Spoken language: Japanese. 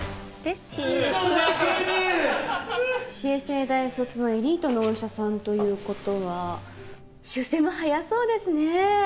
慶西大卒のエリートのお医者さんという事は出世も早そうですねえ！